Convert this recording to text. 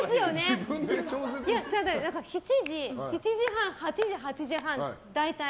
７時、７時半、８時、８時半大体。